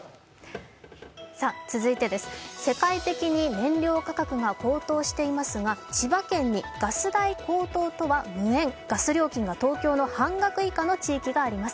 続いてです、世界的に燃料価格が高騰していますが千葉県にガス代高騰とは無縁、ガス料金が東京の半額以下の地域があります。